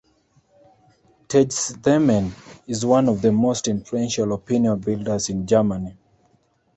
"Tagesthemen" is one of the most influential opinion builders in Germany.